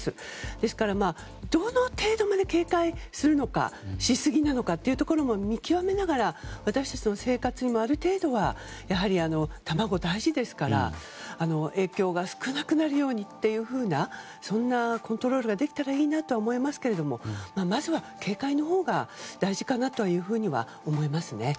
ですからどの程度まで警戒するのかしすぎなのかというところを見極めながら、私たちの生活にもある程度は卵は大事ですから影響が少なくなるようにというそんなコントロールができたらいいなと思いますけどまずは警戒のほうが大事かなと思いますね。